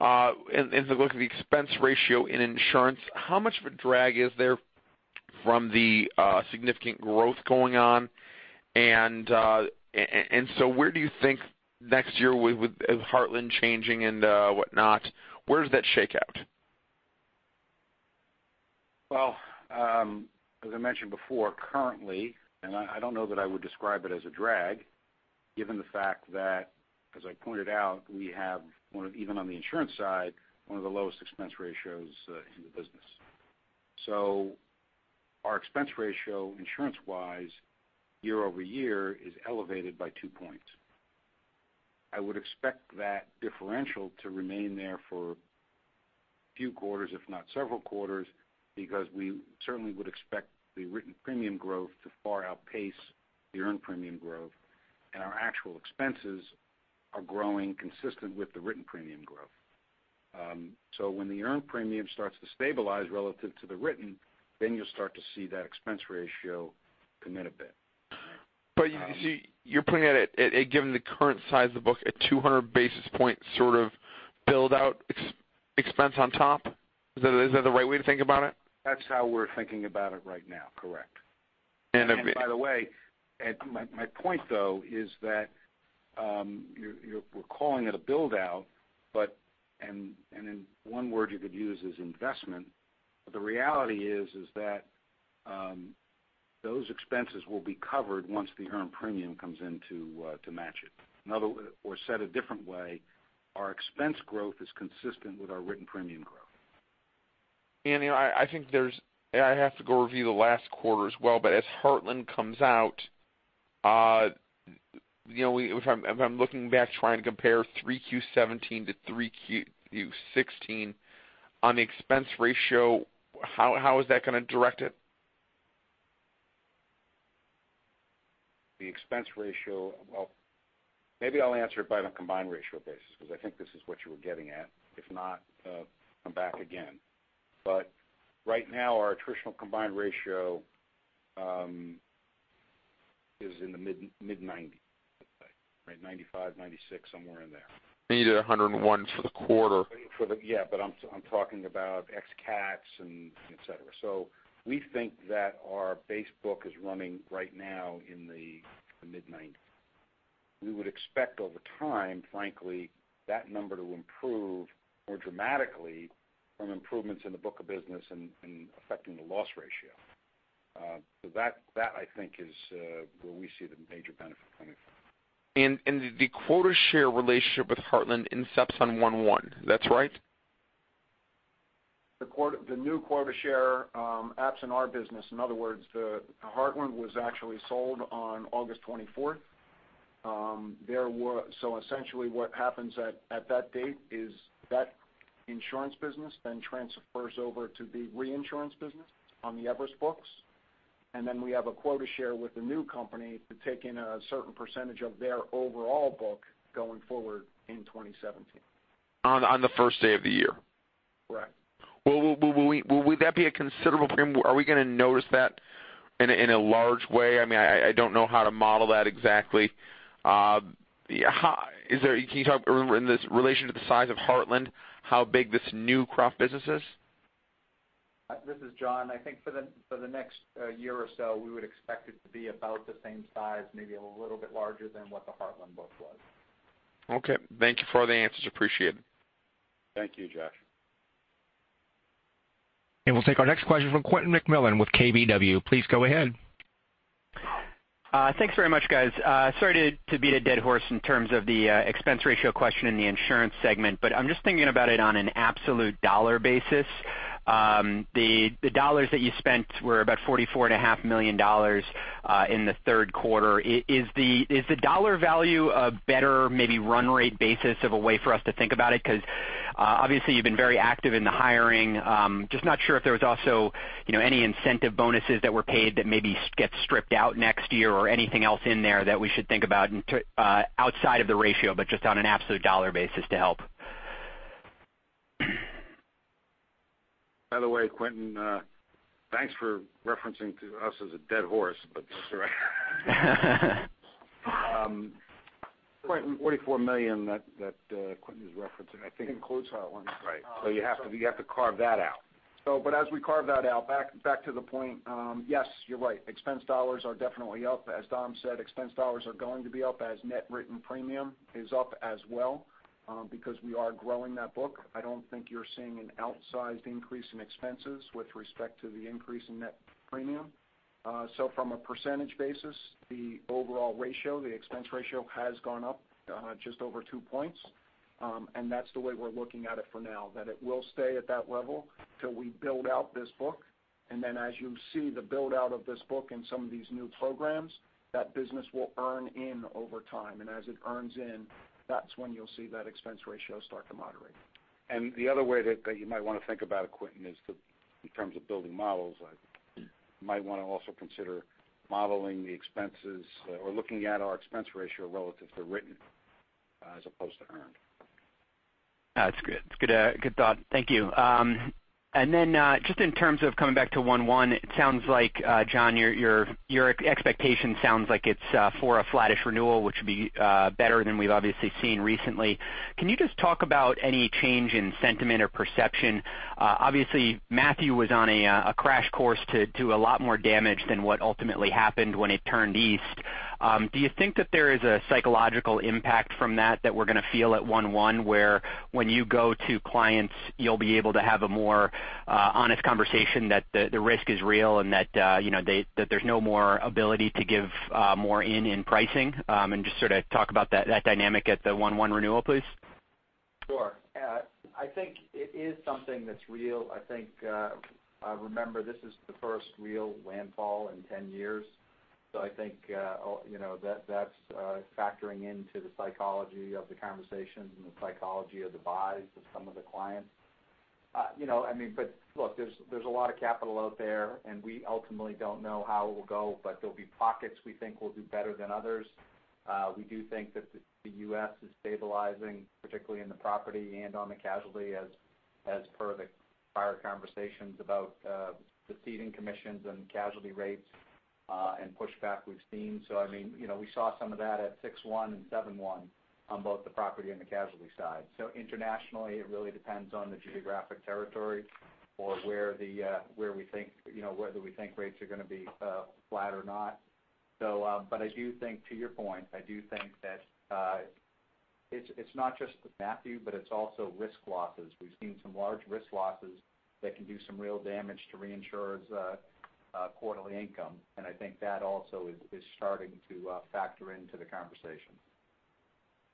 and look at the expense ratio in insurance, how much of a drag is there from the significant growth going on? Where do you think next year with Heartland changing and whatnot, where does that shake out? Well, as I mentioned before, currently, and I don't know that I would describe it as a drag. Given the fact that, as I pointed out, we have, even on the insurance side, one of the lowest expense ratios in the business. Our expense ratio insurance-wise year-over-year is elevated by two points. I would expect that differential to remain there for a few quarters, if not several quarters, because we certainly would expect the written premium growth to far outpace the earned premium growth, and our actual expenses are growing consistent with the written premium growth. When the earned premium starts to stabilize relative to the written, then you'll start to see that expense ratio come in a bit. You're putting it at, given the current size of the book, a 200 basis point sort of build-out expense on top? Is that the right way to think about it? That's how we're thinking about it right now. Correct. And- By the way, my point though is that we're calling it a build-out, and one word you could use is investment, the reality is that those expenses will be covered once the earned premium comes in to match it. Said a different way, our expense growth is consistent with our written premium growth. I think I have to go review the last quarter as well, as Heartland comes out, if I'm looking back trying to compare 3Q17 to 3Q16 on the expense ratio, how is that going to direct it? The expense ratio, well, maybe I'll answer it by the combined ratio basis because I think this is what you were getting at. If not, come back again. Right now our attritional combined ratio is in the mid 90, I'd say, 95, 96, somewhere in there. You did 101 for the quarter. Yeah, I'm talking about ex cats and et cetera. We think that our base book is running right now in the mid 90. We would expect over time, frankly, that number to improve more dramatically from improvements in the book of business and affecting the loss ratio. That, I think, is where we see the major benefit coming from. The quota share relationship with Heartland incepts on 1/1. That's right? The new quota share apps in our business. In other words, Heartland was actually sold on August 24th. Essentially what happens at that date is that insurance business then transfers over to the reinsurance business on the Everest books, and then we have a quota share with the new company to take in a certain percentage of their overall book going forward in 2017. On the first day of the year. Correct. Well, would that be a considerable premium? Are we going to notice that in a large way? I don't know how to model that exactly. Can you talk in this relation to the size of Heartland, how big this new crop business is? This is John. I think for the next year or so, we would expect it to be about the same size, maybe a little bit larger than what the Heartland book was. Okay. Thank you for all the answers. Appreciate it. Thank you, Josh. We'll take our next question from Quentin McMillan with KBW. Please go ahead. Thanks very much, guys. Sorry to beat a dead horse in terms of the expense ratio question in the insurance segment. I'm just thinking about it on an absolute dollar basis. The dollars that you spent were about $44.5 million in the third quarter. Is the dollar value a better maybe run rate basis of a way for us to think about it? Obviously you've been very active in the hiring. Not sure if there was also any incentive bonuses that were paid that maybe get stripped out next year or anything else in there that we should think about outside of the ratio, just on an absolute dollar basis to help. By the way, Quentin, thanks for referencing to us as a dead horse, that's all right. Quentin, the $44 million that Quentin is referencing I think includes Heartland. Right. You have to carve that out. As we carve that out, back to the point, yes, you're right, expense dollars are definitely up. As Dom said, expense dollars are going to be up as net written premium is up as well because we are growing that book. I don't think you're seeing an outsized increase in expenses with respect to the increase in net premium. From a percentage basis, the overall ratio, the expense ratio, has gone up just over two points. That's the way we're looking at it for now, that it will stay at that level till we build out this book, and then as you see the build-out of this book and some of these new programs, that business will earn in over time. As it earns in, that's when you'll see that expense ratio start to moderate. The other way that you might want to think about it, Quentin, is in terms of building models, you might want to also consider modeling the expenses or looking at our expense ratio relative to written as opposed to earned. That's good. It's a good thought. Thank you. Then just in terms of coming back to 1/1, it sounds like John, your expectation sounds like it's for a flattish renewal, which would be better than we've obviously seen recently. Can you just talk about any change in sentiment or perception? Obviously Matthew was on a crash course to do a lot more damage than what ultimately happened when it turned east. Do you think that there is a psychological impact from that that we're going to feel at 1/1 where when you go to clients, you'll be able to have a more honest conversation that the risk is real and that there's no more ability to give more in pricing, and just sort of talk about that dynamic at the 1/1 renewal, please. Sure. I think it is something that's real. I think, remember, this is the first real landfall in 10 years. I think that's factoring into the psychology of the conversations and the psychology of the buys of some of the clients. Look, there's a lot of capital out there, and we ultimately don't know how it will go, but there'll be pockets we think will do better than others. We do think that the U.S. is stabilizing, particularly in the property and on the casualty, as per the prior conversations about the ceding commissions and casualty rates, and pushback we've seen. We saw some of that at 6/1 and 7/1 on both the property and the casualty side. Internationally, it really depends on the geographic territory or whether we think rates are going to be flat or not. I do think, to your point, I do think that it's not just with Hurricane Matthew, but it's also risk losses. We've seen some large risk losses that can do some real damage to reinsurers' quarterly income, and I think that also is starting to factor into the conversation.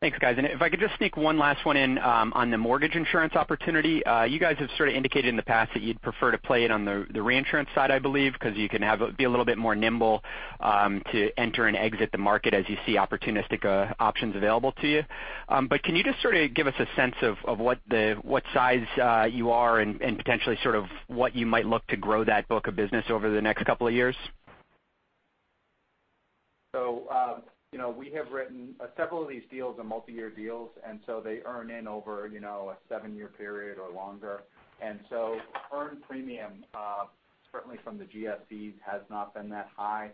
Thanks, guys. If I could just sneak one last one in on the mortgage insurance opportunity. You guys have sort of indicated in the past that you'd prefer to play it on the reinsurance side, I believe, because you can be a little bit more nimble to enter and exit the market as you see opportunistic options available to you. Can you just sort of give us a sense of what size you are and potentially sort of what you might look to grow that book of business over the next couple of years? We have written several of these deals are multi-year deals, and so they earn in over a seven-year period or longer. Earned premium, certainly from the GSEs, has not been that high.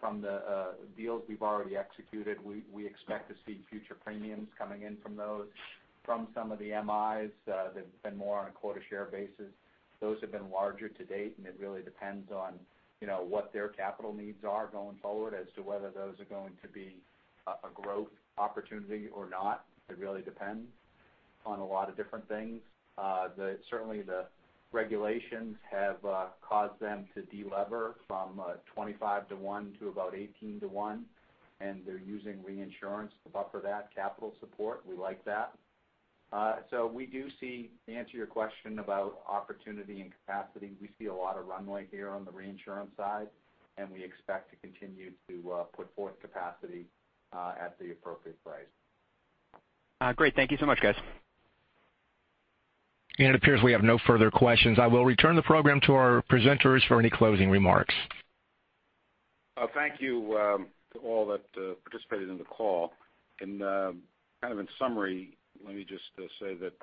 From the deals we've already executed, we expect to see future premiums coming in from those. From some of the MIs that have been more on a quota share basis, those have been larger to date, and it really depends on what their capital needs are going forward as to whether those are going to be a growth opportunity or not. It really depends on a lot of different things. Certainly, the regulations have caused them to de-lever from 25 to one to about 18 to one, and they're using reinsurance to buffer that capital support. We like that. We do see, to answer your question about opportunity and capacity, we see a lot of runway here on the reinsurance side, and we expect to continue to put forth capacity at the appropriate price. Great. Thank you so much, guys. It appears we have no further questions. I will return the program to our presenters for any closing remarks. Thank you to all that participated in the call. Kind of in summary, let me just say that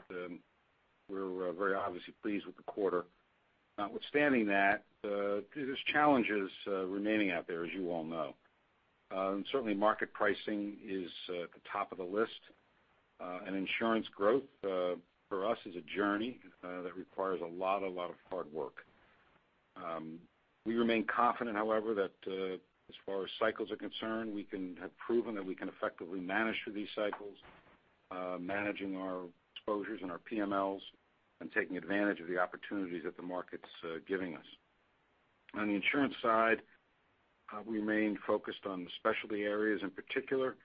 we're very obviously pleased with the quarter. Notwithstanding that, there's challenges remaining out there, as you all know. Certainly, market pricing is at the top of the list. Insurance growth for us is a journey that requires a lot of hard work. We remain confident, however, that as far as cycles are concerned, we have proven that we can effectively manage through these cycles, managing our exposures and our PMLs and taking advantage of the opportunities that the market's giving us. On the insurance side, we remain focused on the specialty areas in particular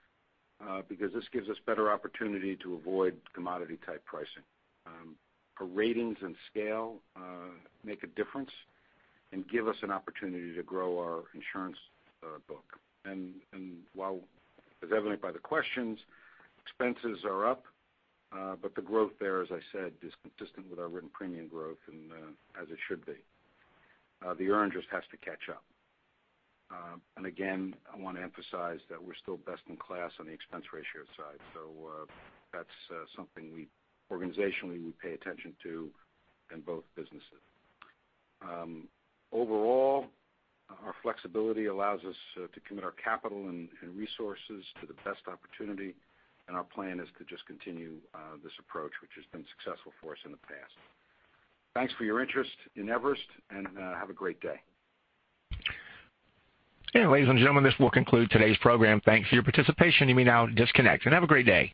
because this gives us better opportunity to avoid commodity type pricing. Our ratings and scale make a difference and give us an opportunity to grow our insurance book. While as evident by the questions, expenses are up, the growth there, as I said, is consistent with our written premium growth and as it should be. The earn just has to catch up. Again, I want to emphasize that we're still best in class on the expense ratio side. That's something organizationally we pay attention to in both businesses. Overall, our flexibility allows us to commit our capital and resources to the best opportunity, our plan is to just continue this approach, which has been successful for us in the past. Thanks for your interest in Everest, and have a great day. Ladies and gentlemen, this will conclude today's program. Thank you for your participation. You may now disconnect. Have a great day.